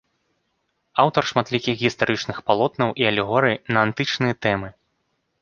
Аўтар шматлікіх гістарычных палотнаў і алегорый на антычныя тэмы.